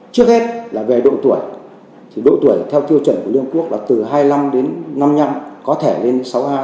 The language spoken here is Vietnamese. trước hết là về độ tuổi thì độ tuổi theo tiêu chuẩn của liên hợp quốc là từ hai mươi năm đến năm mươi năm có thể lên sáu mươi hai